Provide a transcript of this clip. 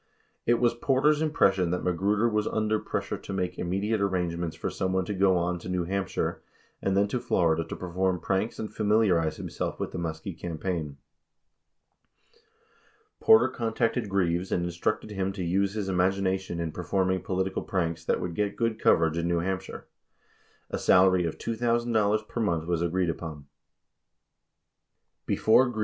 It was Porter's im pression that Magruder was under pressure to make immediate ar rangements for someone to go on to New Hampshire and then to Florida to perform pranks and familiarize himself with the Muskie campaign. 53 Porter, contacted Greaves and instructed him to use his imagina tion in performing political pranks that would get good coverage in New Hampshire. 54 A salary of $2,000 per month was agreed upon. « Ibid.